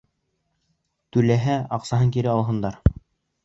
Түләһә, аҡсаһын кире алһындар!